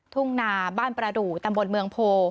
ทุ่งนาบ้านประดูกตำบลเมืองโพ